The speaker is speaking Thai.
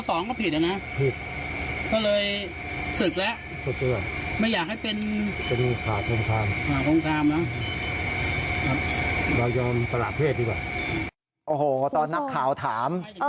โอ้โหตอนนักข่าวถาม